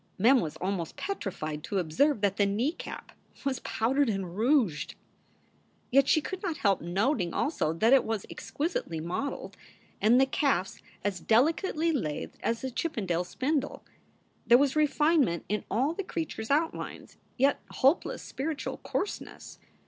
Mem was almost petrified to observe that the kneecap was powdered and rouged! Yet she could not help noting also that it was exquisitely modeled, and the calves as delicately lathed as a Chippendale spindle. There was refinement in all the creature s outlines, yet hopeless spiritual coarseness.